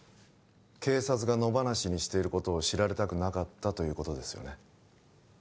警察が野放しにしていることを知られたくなかったということですよね？